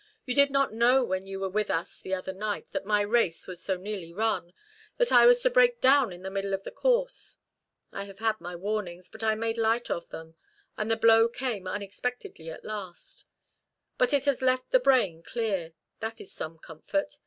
"You did not know when you were with us the other night that my race was so nearly run, that I was to break down in the middle of the course. I have had my warnings, but I made light of them, and the blow came unexpectedly at last. But it has left the brain clear. That is some comfort.